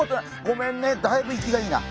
ごめんねだいぶ生きがいいな。